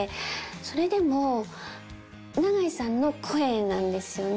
それでも永井さんの声なんですよね。